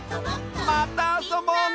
またあそぼうね！